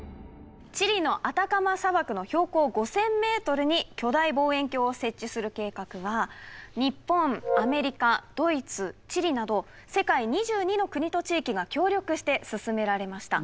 チリのアタカマ砂漠の標高５，０００ｍに巨大望遠鏡を設置する計画は日本アメリカドイツチリなど世界２２の国と地域が協力して進められました。